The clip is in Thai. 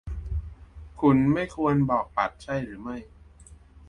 คุณไม่ควรบอกปัดใช่หรือไม่